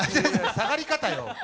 下がり方よ。